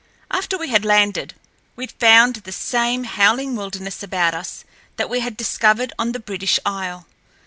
After we had landed, we found the same howling wilderness about us that we had discovered on the British Isle.